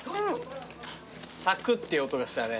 サクっていう音がしたね。